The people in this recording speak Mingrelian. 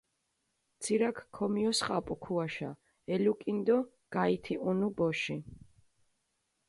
ცირაქჷ ქიმიოსხაპუ ქუაშა, ელუკჷნჷ დო გაითიჸუნუ ბოში.